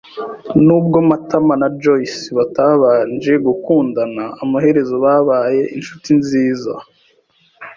Nubwo Matama na Joyci batabanje gukundana, amaherezo babaye inshuti nziza.